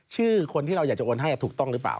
ชื่อคนที่เราอยากจะโอนให้ถูกต้องหรือเปล่า